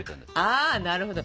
ああなるほど！